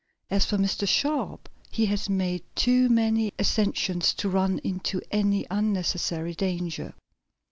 As for Mr. Sharp he has made too many ascensions to run into any unnecessary danger."